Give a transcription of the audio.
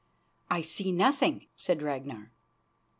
"I see nothing," said Ragnar.